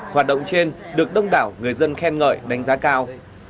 hoạt động trên được đông đảo người dân khen ngợi đánh giá cao